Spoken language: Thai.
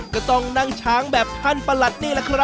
ก็ต้องนั่งช้างแบบท่านปะหลัดนี่